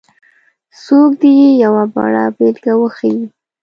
څوک دې یې یوه وړه بېلګه وښيي.